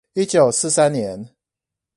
一九四三年